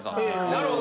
なるほど。